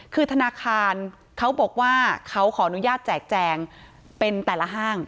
คือธนาคารเขาบอกว่าเขาขออนุญาตแจกแจงเป็นแต่ละห้าง